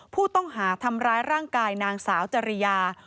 ผู้ต้องหาทำร้ายร่างกายนางสาวจริยา